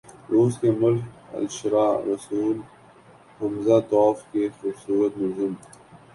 روس کے ملک الشعراء “رسول ھمزہ توف“ کی خوبصورت نظم